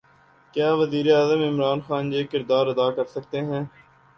کیا وزیر اعظم عمران خان یہ کردار ادا کر سکتے ہیں؟